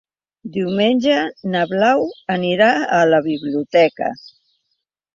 Diumenge na Blau anirà a la biblioteca.